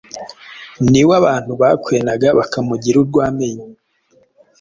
ni we abantu bakwenaga bakamugira urwa amenyo.